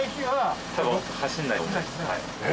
はい。